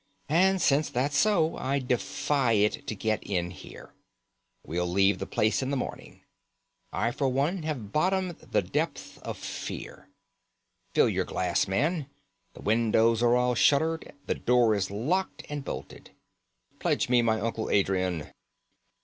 And since that's so, I defy it to get in here. We'll leave the place in the morning. I for one have bottomed the depths of fear. Fill your glass, man! The windows are all shuttered, the door is locked and bolted. Pledge me my uncle Adrian!